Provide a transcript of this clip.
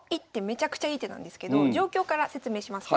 めちゃくちゃいい手なんですけど状況から説明します。